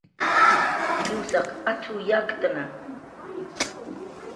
"Jwsaq at""w yakktna"